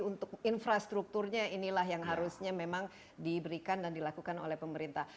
untuk infrastrukturnya inilah yang harusnya memang diberikan dan dilakukan oleh pemerintah